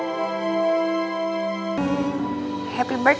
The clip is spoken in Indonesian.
mbak betty cobain mbak tempo't